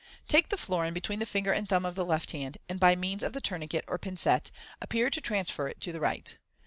'* Take the florin between the finger and thumb of the left hand, and, by means of the tourniquet or pincette, appear to transfer it to the right.